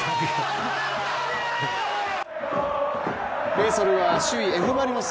レイソルは首位・Ｆ・マリノス